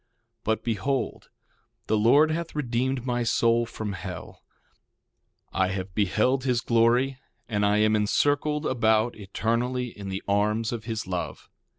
1:15 But behold, the Lord hath redeemed my soul from hell; I have beheld his glory, and I am encircled about eternally in the arms of his love.